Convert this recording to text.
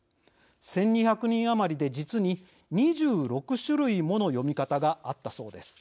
１２００人余りで実に２６種類もの読み方があったそうです。